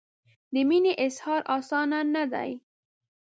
د مینې اظهار اسانه نه دی.